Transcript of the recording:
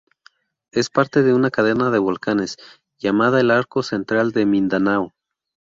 Es parte de una cadena de volcanes llamada el Arco central de Mindanao.